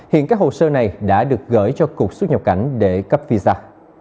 hiện các hồ sơ này đã được gửi cho cục xuất nhập cảnh để cấp visa